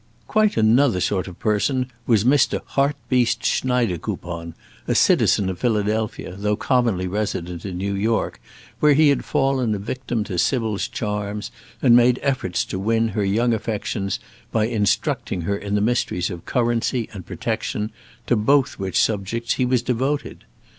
Quite another sort of person was Mr. Hartbeest Schneidekoupon, a citizen of Philadelphia, though commonly resident in New York, where he had fallen a victim to Sybil's charms, and made efforts to win her young affections by instructing her in the mysteries of currency and protection, to both which subjects he was devoted.